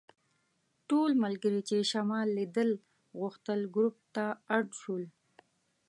ټول ملګري چې شمال لیدل غوښتل ګروپ ته اډ شول.